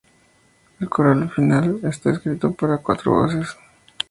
El coral final está escrito para cuatro voces.